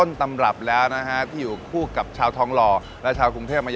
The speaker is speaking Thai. อย่างเช่นประเทศไทยที่ตั้งอยู่ในเขตร้อนและอบอุ่นเป็นส่วนใหญ่